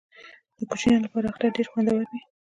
د کوچنیانو لپاره اختر ډیر خوندور وي.